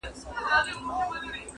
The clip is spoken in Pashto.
دا د شملو دا د بګړیو وطن-